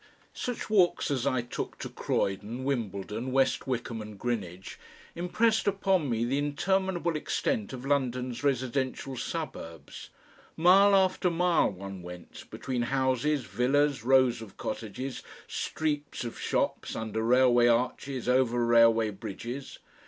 Such walks as I took, to Croydon, Wembledon, West Wickham and Greenwich, impressed upon me the interminable extent of London's residential suburbs; mile after mile one went, between houses, villas, rows of cottages, streets of shops, under railway arches, over railway bridges.